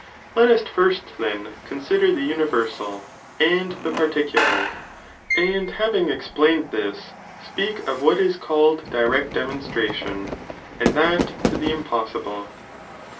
Let us first then consider the uni versal and the particular, and having explained thia, speak of what is called direct demonstration, and that to the impossible.